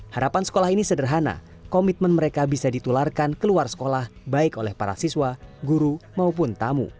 harapan sekolah ini sederhana komitmen mereka bisa ditularkan keluar sekolah baik oleh para siswa guru maupun tamu